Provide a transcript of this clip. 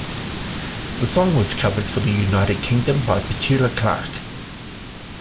The song was covered for the United Kingdom by Petula Clark.